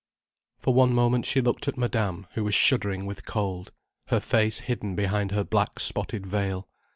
For one moment she looked at Madame, who was shuddering with cold, her face hidden behind her black spotted veil.